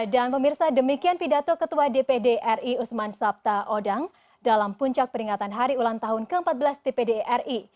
dan pemirsa demikian pidato ketua dpd ri usman sabta odang dalam puncak peringatan hari ulang tahun ke empat belas dpd ri